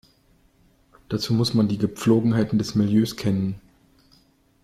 Dazu muss man die Gepflogenheiten des Milieus kennen.